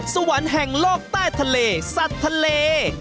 สวรรค์แห่งโลกใต้ทะเลสัตว์ทะเล